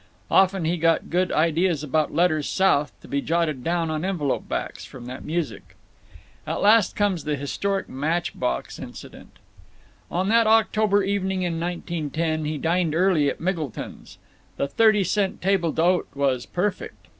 … Often he got good ideas about letters South, to be jotted down on envelope backs, from that music. At last comes the historic match box incident. On that October evening in 1910 he dined early at Miggleton's. The thirty cent table d'hote was perfect.